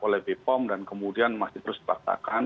oleh bepom dan kemudian masih terus dipaksakan